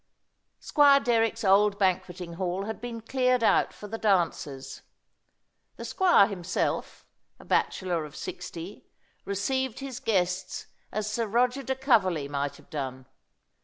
Squire Derrick's old banqueting hall had been cleared out for the dancers. The squire himself, a bachelor of sixty, received his guests as Sir Roger de Coverley might have done.